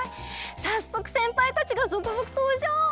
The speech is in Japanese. さっそくせんぱいたちがぞくぞくとうじょう！